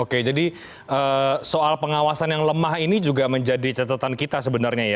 oke jadi soal pengawasan yang lemah ini juga menjadi catatan kita sebenarnya ya